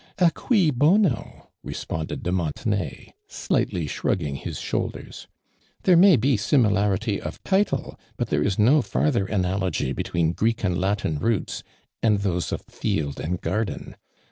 ". 1 mi huounV' responded de Monte nay, slightly shrugging his shoulders. "There may be similarity of title, but there is no farther analogy between Greek and Latin roots, and those of field and garden.